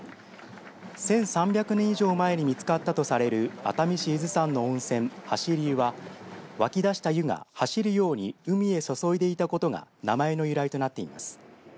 １３００年以上前に見つかったとされる熱海市伊豆山の温泉、走り湯は湧き出した湯が走るように海へ注いでいたことが名前の由来となっています。